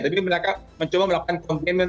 tapi mereka mencoba melakukan komplainment